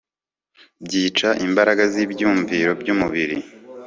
byica imbaraga zibyumviro byumubiri